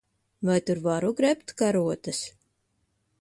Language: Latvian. Vai tur varu grebt karotes?